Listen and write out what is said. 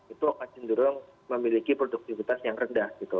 itu akan cenderung memiliki produktivitas yang rendah gitu